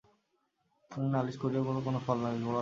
এবং নালিশ করিয়াও তো কোনো ফল নাই, কেবল অর্থ নষ্ট।